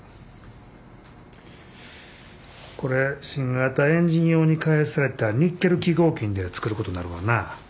これ新型エンジン用に開発されたニッケル基合金で作ることになるわな。